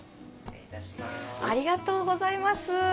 ありがとうございます。